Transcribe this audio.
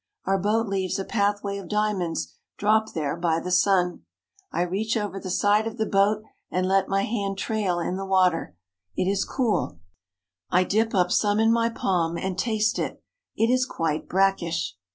Our boat leaves a pathway of diamonds dropped there by the sun. I reach over the side of the boat and let my hand trail in the water. It is cool. I dip up some in my palm and taste it. It is quite brackish.